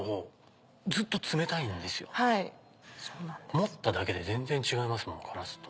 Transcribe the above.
持っただけで全然違いますもんガラスと。